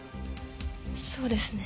そうですね。